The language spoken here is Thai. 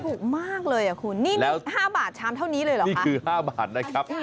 ถูกมากเลยอะคุณ